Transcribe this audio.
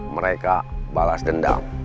mereka balas dendam